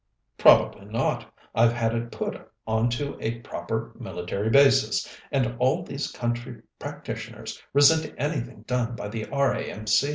"Probably not. I've had it put on to a proper military basis, and all these country practitioners resent anything done by the R.A.M.